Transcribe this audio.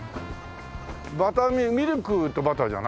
バターミルクとバターじゃないの？